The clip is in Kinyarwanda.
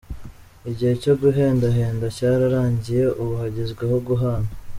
Igihe cyo guhendahenda cyararangiye ubu hagezweho guhana.